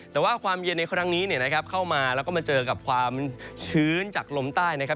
แต่ว่าความเย็นในพันธุ์ดังนี้เข้ามาแล้วมันเจอกับความชื้น